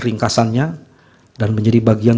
ringkasannya dan menjadi bagian